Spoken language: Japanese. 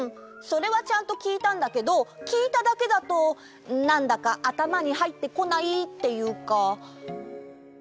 それはちゃんときいたんだけどきいただけだとなんだかあたまにはいってこないっていうか。